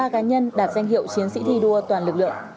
ba cá nhân đạt danh hiệu chiến sĩ thi đua toàn lực lượng